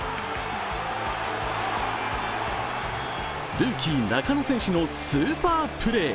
ルーキー・中野選手のスーパープレー。